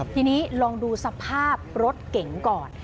ทีนี้ลองดูสภาพรถเก๋งก่อน